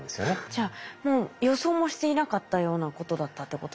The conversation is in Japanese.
じゃあもう予想もしていなかったようなことだったってことですか？